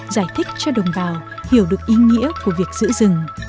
giải thích cho đồng bào hiểu được ý nghĩa của việc giữ rừng